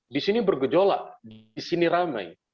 di sini bergejolak di sini ramai